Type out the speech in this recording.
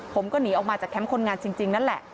ผมก็หนีออกมาจากแคมป์คนงานจริงนั่นแหละ